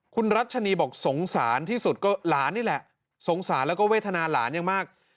คุณรัชนีบอกสงสารที่สุดก็หลานนี่แหละสงสารแล้วก็เวทนาหลานอย่างมาก